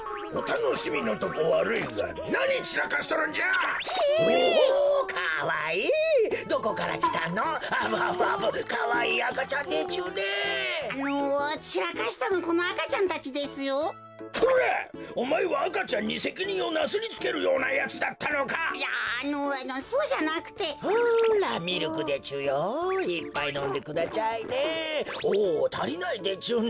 おたりないでちゅね。